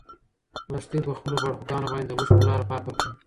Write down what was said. لښتې په خپلو باړخوګانو باندې د اوښکو لاره پاکه کړه.